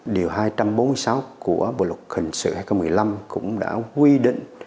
điều hai trăm bốn mươi sáu của bộ luật hình sự hai nghìn một mươi năm cũng đã quy định